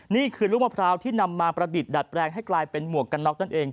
นี่คือลูกมะพร้าวที่นำมาประดิษฐ์ดัดแปลงให้กลายเป็นหมวกกันน็อกนั่นเอง